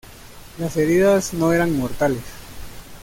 Las heridas no eran mortales.